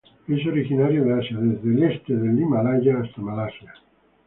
Es originario de Asia desde el este del Himalaya hasta Malasia.